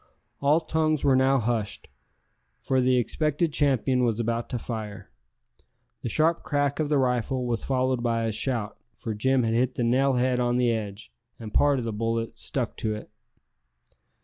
All tongues were now hushed, for the expected champion was about to fire. The sharp crack of the rifle was followed by a shout, for Jim had hit the nail head on the edge, and part of the bullet stuck to it.